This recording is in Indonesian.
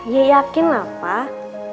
ya yakin lah pak